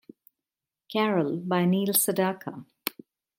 Carol by Neil Sedaka.